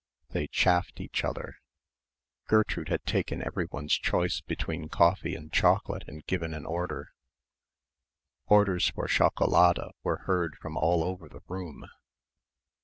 They chaffed each other. Gertrude had taken everyone's choice between coffee and chocolate and given an order. Orders for schocolade were heard from all over the room.